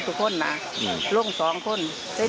ทุกคนไปโรงเงิน